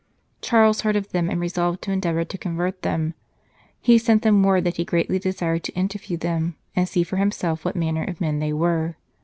Charles heard of them, and resolved to endeavour to convert them. He sent them word that he greatly desired to interview them, and see for himself what manner of men they were.